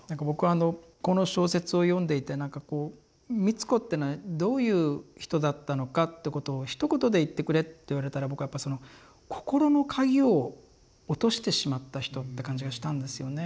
僕はこの小説を読んでいてなんかこう美津子ってのはどういう人だったのかってことをひと言で言ってくれって言われたら僕はやっぱその心の鍵を落としてしまった人って感じがしたんですよね。